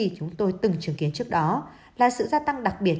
cái gì chúng tôi từng chứng kiến trước đó là sự gia tăng đặc biệt